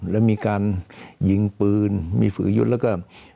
แล้วมีการยิงปืนมีฝือยุดแล้วก็